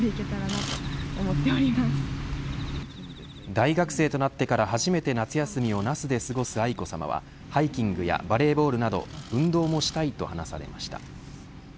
大学生となってから初めて夏休みを那須で過ごす愛子さまはハイキングやバレーボールなど運動もしたいと話されました。